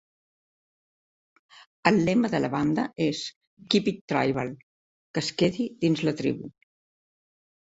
El lema de la banda és "Keep it Tribal" (que es quedi dins la tribu).